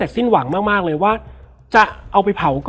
แล้วสักครั้งหนึ่งเขารู้สึกอึดอัดที่หน้าอก